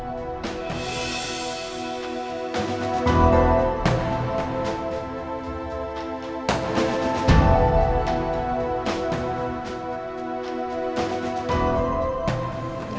seseorang gitu meng fateh